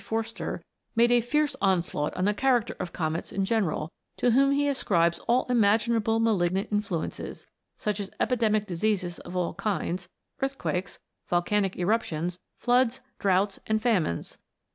Forster, made a fierce onslaught on the character of Comets in general, to whom he ascribes all imaginable ma lignant influences, such as epidemic diseases of all A TALE OF A COMET. 209 kinds, earthquakes, volcanic eruptions, floods, droughts, and famines